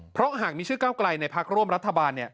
เพราะหากมีชื่อก้าวไกลในพักร่วมรัฐบาล